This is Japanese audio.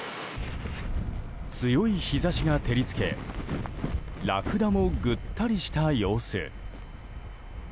強い日差しが照り付けラクダもぐったりした様子。